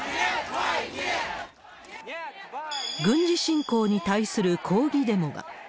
軍事侵攻に対する抗議デモが。